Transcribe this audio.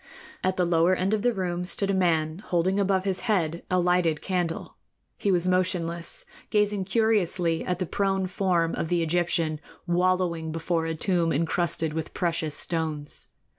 At the lower end of the room stood a man holding above his head a lighted candle. He was motionless, gazing curiously at the prone form of the Egyptian wallowing before a tomb encrusted with precious stones.